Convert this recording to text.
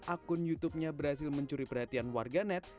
akun youtubenya berhasil mencuri perhatian warga net